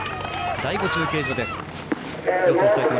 第５中継所です。